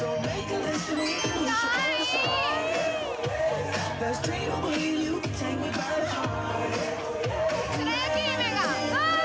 ・かわいい白雪姫が・あっ